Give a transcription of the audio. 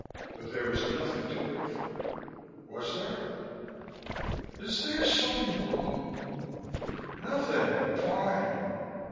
But there was nothing to wait for. Was there? "Is there something wrong?" "Nothing. I'm fine."